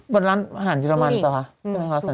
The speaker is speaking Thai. บนร้านอาหารเยอรมันหรือเปล่าคะ